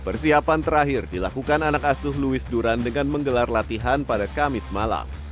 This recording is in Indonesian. persiapan terakhir dilakukan anak asuh louis duran dengan menggelar latihan pada kamis malam